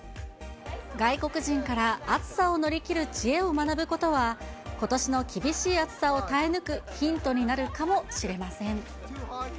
外国人から暑さを乗り切る知恵を学ぶことはことしの厳しい暑さを耐え抜くヒントになるかもしれません。